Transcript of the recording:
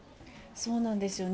そうなんですよね。